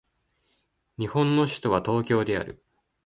日本の首都は東京である